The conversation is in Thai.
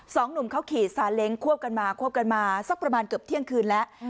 สองหนุ่มเขาขี่ซาเล้งควบกันมาควบกันมาสักประมาณเกือบเที่ยงคืนแล้ว